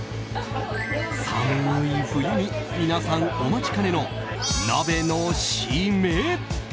寒い冬に皆さんお待ちかねの鍋のシメ！